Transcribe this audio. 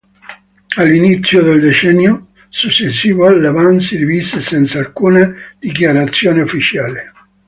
All'inizio del decennio successivo la band si divise senza alcuna dichiarazione ufficiale.